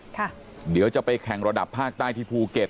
เดี๋ยวจะไปแข่งระดับภาคใต้ที่ภูเก็ต